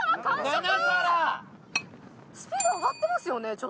スピードあがってますよね